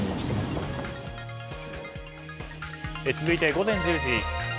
続いて午前１０時。